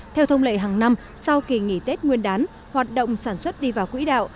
theo thông lệ hàng năm sau kỳ nghỉ tết nguyên đán hoạt động sản xuất đi vào quỹ đạo